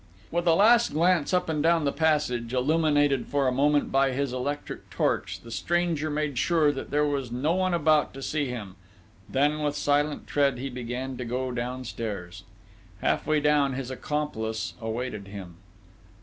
With a last glance up and down the passage, illuminated for a moment by his electric torch, the stranger made sure that there was no one about to see him; then, with silent tread, he began to go downstairs.... Half way down, his accomplice awaited him.